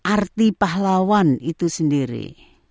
arti pahlawan itu sendiri